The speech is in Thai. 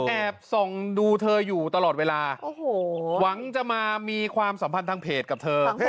แอบส่องดูเธออยู่ตลอดเวลาโอ้โหหวังจะมามีความสัมพันธ์ทางเพจกับเธอ